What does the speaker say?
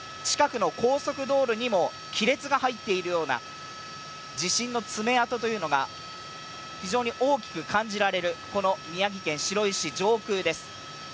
近くの高速道路にも亀裂が入っているような、地震の爪痕というのが非常に大きく感じられる、この宮城県白石市の上空です。